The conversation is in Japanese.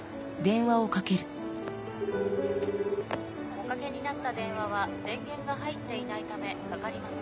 おかけになった電話は電源が入っていないためかかりません。